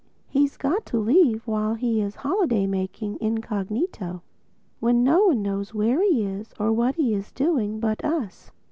He's got to leave while he is holiday making, incognito—when no one knows where he is or what he's doing, but us.